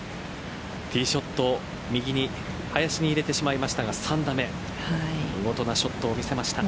ティーショット右の林に入れてしまいましたが３打目見事なショットを見せました。